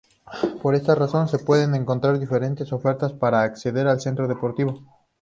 Por esta razón, se pueden encontrar diferentes ofertas para acceder al centro deportivo.